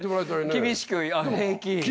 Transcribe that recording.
厳しく平気？